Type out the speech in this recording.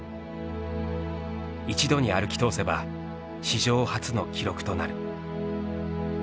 一度に歩き通せば史上初の記録となる。